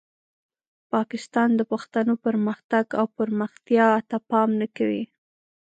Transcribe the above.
پاکستان د پښتنو پرمختګ او پرمختیا ته پام نه کوي.